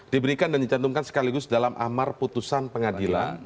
diberikan dan dicantumkan sekaligus dalam amar putusan pengadilan